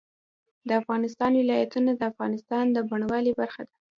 د افغانستان ولايتونه د افغانستان د بڼوالۍ برخه ده.